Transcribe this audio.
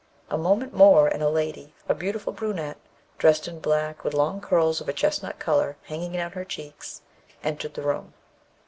A moment more, and a lady a beautiful brunette dressed in black, with long curls of a chestnut colour hanging down her cheeks, entered the room.